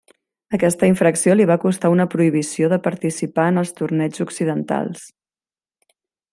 Aquesta infracció li va costar una prohibició de participar en els torneigs occidentals.